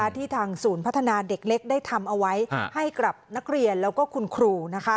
ที่ทางศูนย์พัฒนาเด็กเล็กได้ทำเอาไว้ให้กับนักเรียนแล้วก็คุณครู